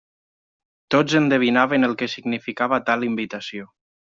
Tots endevinaven el que significava tal invitació.